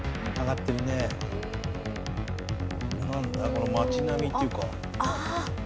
この町並みっていうか。